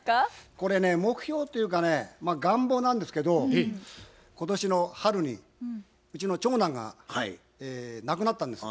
これね目標というかね願望なんですけど今年の春にうちの長男が亡くなったんです。